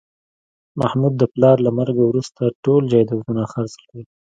محمود د پلار له مرګه وروسته ټول جایدادونه خرڅ کړل